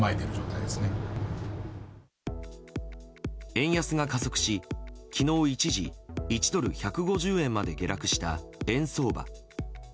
円安が加速し、昨日一時１ドル＝１５０円まで下落した円相場。